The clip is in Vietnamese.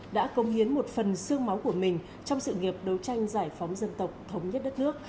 đã công hiến một phần sương máu của mình trong sự nghiệp đấu tranh giải phóng dân tộc thống nhất đất nước